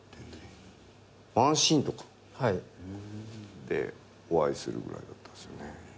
１シーンとかでお会いするぐらいだったんですよ。